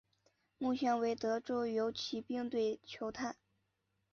目前为德州游骑兵队球探。